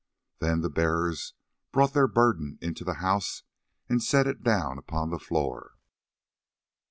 Then the bearers brought their burden into the house and set it down upon the floor.